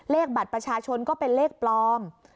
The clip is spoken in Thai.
เลขบัตรประชาชนก็เป็นเลขปลอม